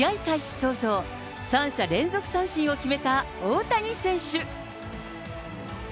早々、三者連続三振を決めた大谷選手。